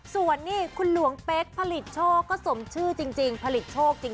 ส่วนนี่คุณหลวงเป๊กผลิตโชคก็สมชื่อจริงผลิตโชคจริง